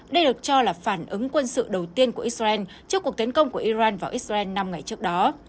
đây được cho là phản ứng quân sự đầu tiên của israel trước cuộc tấn công của iran vào israel năm ngày trước đó